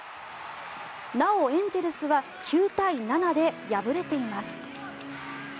なおエンゼルスは９対７で敗れています。